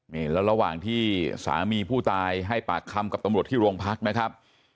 นี่แล้วระหว่างที่สามีผู้ตายให้ปากคำกับตำรวจที่โรงพักนะครับ